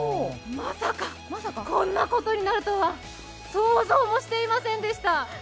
まさか、こんなことになるとは想像もしていませんでした。